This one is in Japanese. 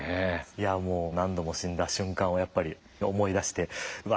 いやもう何度も死んだ瞬間をやっぱり思い出してうわ